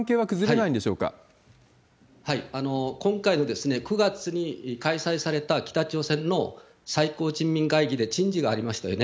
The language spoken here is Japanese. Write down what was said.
ーこんかい、９月に開催された北朝鮮の最高人民会議で人事がありましたよね。